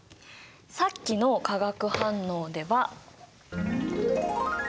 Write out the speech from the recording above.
さっきの化学反応では。